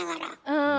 うん。